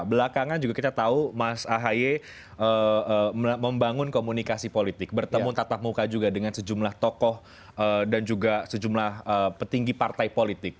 belakangan juga kita tahu mas ahy membangun komunikasi politik bertemu tatap muka juga dengan sejumlah tokoh dan juga sejumlah petinggi partai politik